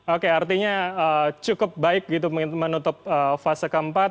oke artinya cukup baik gitu menutup fase keempat